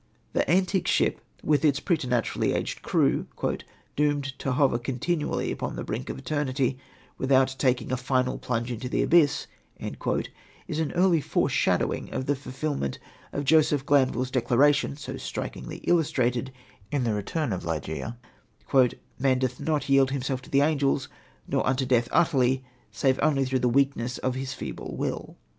The antique ship, with its preternaturally aged crew "doomed to hover continually upon the brink of eternity, without taking a final plunge into the abyss," is an early foreshadowing of the fulfilment of Joseph Glanvill's declaration so strikingly illustrated in the return of Ligeia: "Man doth not yield himself to the angels, nor unto death utterly, save only through the weakness of his feeble will."